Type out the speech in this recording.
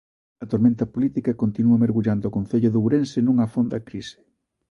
A tormenta política continúa mergullando o Concello de Ourense nunha fonda crise.